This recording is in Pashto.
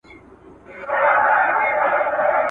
د غليم په بنګلو کي ,